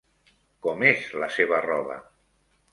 Com és la seva roba?